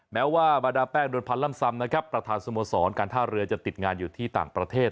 แม้ว่าบรรดาแป้งโดนพันธล่ำซำนะครับประธานสโมสรการท่าเรือจะติดงานอยู่ที่ต่างประเทศ